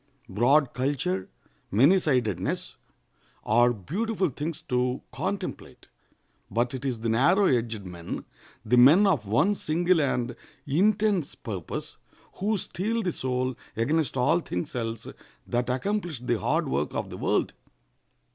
Broad culture, many sidedness, are beautiful things to contemplate; but it is the narrow edged men—the men of one single and intense purpose—who steel the soul against all things else, that accomplish the hard work of the world.